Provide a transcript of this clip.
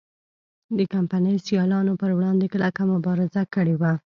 د کمپنۍ سیالانو پر وړاندې کلکه مبارزه کړې وه.